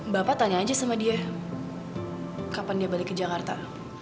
bapak tanya aja sama dia kapan dia balik ke jakarta